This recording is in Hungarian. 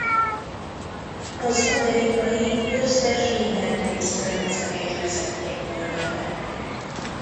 Az amerikai győztes mindent visz rendszerét vezették volna be.